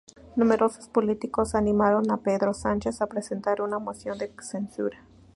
Numerosos políticos animaron a Pedro Sánchez a presentar una moción de censura.